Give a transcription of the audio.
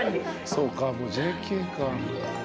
そうかもうＪＫか。